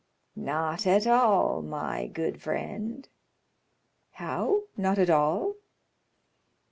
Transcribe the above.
"Not at all, my good friend." "How? Not at all?"